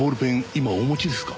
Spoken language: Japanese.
今お持ちですか？